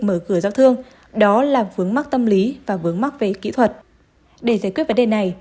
bảo vệ địa phương đó là vướng mắt tâm lý và vướng mắt về kỹ thuật để giải quyết vấn đề này